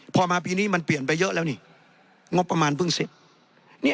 พอมาปีนี้มันเปลี่ยนไปเยอะแล้วนี่งบประมาณเพิ่งเสร็จ